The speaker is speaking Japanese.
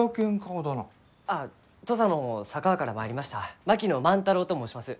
あ土佐の佐川から参りました槙野万太郎と申します。